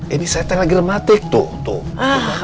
ini saya telegramatik tuh